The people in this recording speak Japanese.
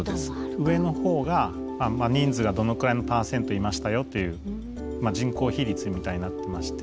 上の方が人数がどのくらいのパーセントいましたよっていう人口比率みたいになってまして。